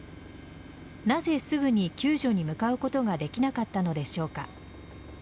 なぜ、すぐに救助に向かうことができなかったのでしょうか。